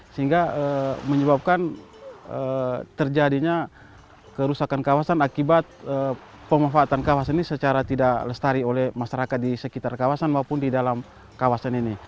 sehingga menyebabkan terjadinya kerusakan kawasan akibat pemanfaatan kawasan ini secara tidak lestari oleh masyarakat di sekitar kawasan maupun di dalam kawasan ini